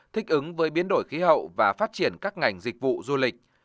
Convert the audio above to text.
thích ứng với biến đổi khí hậu và phát triển các ngành dịch vụ du lịch